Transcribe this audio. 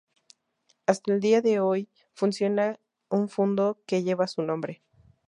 Hasta el día de hoy funciona un fundo que lleva su nombre.